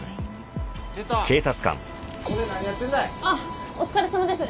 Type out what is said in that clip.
あっお疲れさまです。